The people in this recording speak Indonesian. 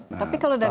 tapi kalau dari segi